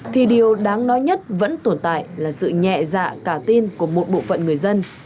thì điều đáng nói nhất vẫn tồn tại là sự nhẹ dạ cả tin của một bộ phận người dân